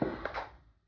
dia gak tahu kenapa